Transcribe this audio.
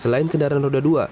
selain kendaraan roda dua